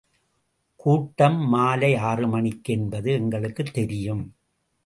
கூட்டம் மாலை ஆறு மணிக்கு என்பது எங்களுக்குத் தெரியும்.